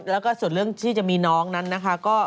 แล้วก็ส่วนเรื่องที่จะมีน้องนั้นนะคะ